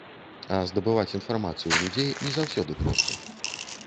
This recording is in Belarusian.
А здабываць інфармацыю ў людзей не заўсёды проста.